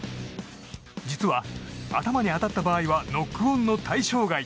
実は頭に当たった場合はノックオンの対象外。